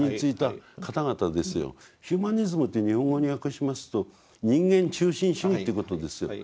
ヒューマニズムって日本語に訳しますと人間中心主義っていうことですよ。